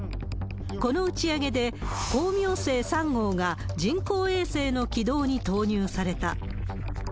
この打ち上げで、光明星３号が、人工衛星の軌道に投入された。